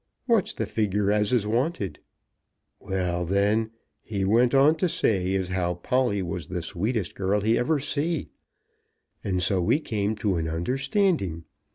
What's the figure as is wanted?' Well; then he went on to say as how Polly was the sweetest girl he ever see; and so we came to an understanding.